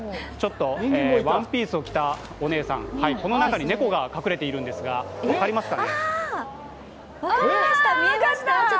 ワンピースを着たお姉さん、この中に猫が隠れているんですが、分かりますか？